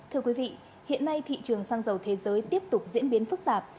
thưa quý vị hiện nay thị trường xăng dầu thế giới tiếp tục diễn biến phức tạp